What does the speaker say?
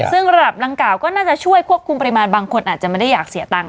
ซึ่งระดับดังกล่าก็น่าจะช่วยควบคุมปริมาณบางคนอาจจะไม่ได้อยากเสียตังค์